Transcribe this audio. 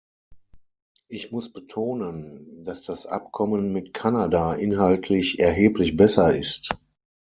Ich muss betonen, dass das Abkommen mit Kanada inhaltlich erheblich besser ist.